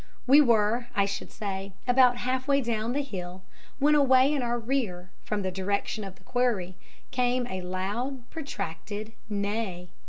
We were, I should say, about half way down the hill, when away in our rear, from the direction of the quarry, came a loud protracted neigh.